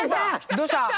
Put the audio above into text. どうした？